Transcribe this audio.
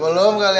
aku mau ngapain